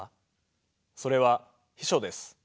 それは秘書です。